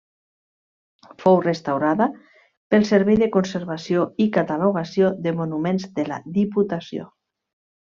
Fou restaurada pel Servei de Conservació i Catalogació de Monuments de la Diputació.